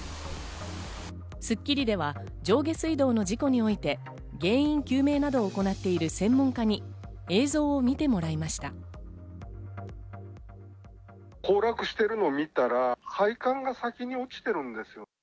『スッキリ』では上下水道の事故において原因究明などを行っている専門家に映像を見てもらいました。